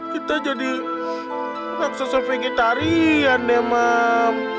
kita jadi raksasa vegetarian deh mam